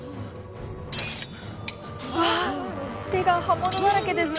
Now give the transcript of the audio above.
うわっ手が刃物だらけです！